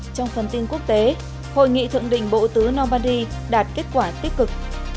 trong phần tin quốc tế hội nghị thượng định bộ tứ normandy đạt kết quả tích cực